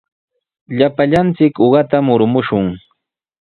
Llapallanchik uqata murumushun.